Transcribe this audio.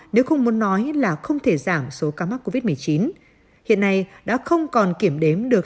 nếu không muốn nói là không thể giảm số ca mắc covid một mươi chín hiện nay đã không còn kiểm đếm được